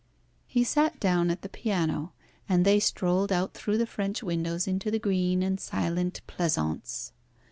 He sat down at the piano, and they strolled out through the French windows into the green and silent pleasaunce.